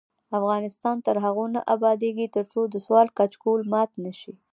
افغانستان تر هغو نه ابادیږي، ترڅو د سوال کچکول مات نشي.